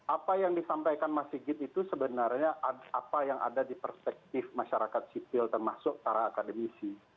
apa yang disampaikan mas sigit itu sebenarnya apa yang ada di perspektif masyarakat sipil termasuk para akademisi